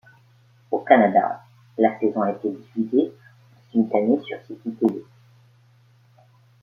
Au Canada, la saison a été diffusée en simultané sur Citytv.